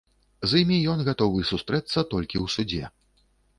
З імі ён гатовы сустрэцца толькі ў судзе.